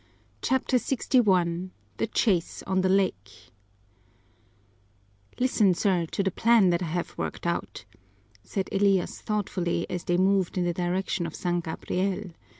CHAPTER LXI The Chase on the Lake "Listen, sir, to the plan that I have worked out," said Elias thoughtfully, as they moved in the direction of San Gabriel.